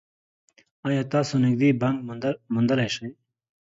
ایا تاسو نږدې بانک موندلی شئ؟